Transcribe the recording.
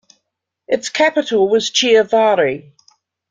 Its capital was Chiavari.